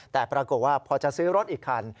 แต่ปรากฏว่าพอจะซื้อรถอีกคัน